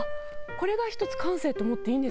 これが一つ感性と思っていいんですかね？